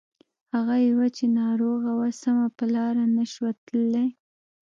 هغه يوه چې ناروغه وه سمه په لاره نه شوه تللای.